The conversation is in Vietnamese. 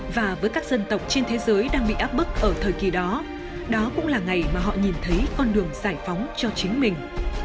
và với các dân tộc trên thế giới đang bị áp bức ở thời kỳ đó đó cũng là ngày mà họ nhìn thấy con đường giải phóng cho chính mình